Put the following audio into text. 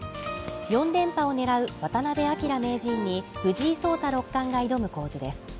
４連覇を狙う渡辺明名人に藤井聡太六冠が挑む構図です。